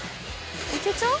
いけちゃう？